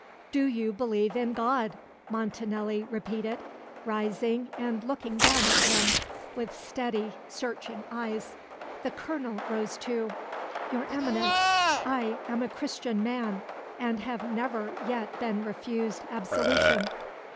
"Do you believe in God?" Montanelli repeated, rising and looking down at him with steady, searching eyes. The colonel rose too. "Your Eminence, I am a Christian man, and have never yet been refused absolution."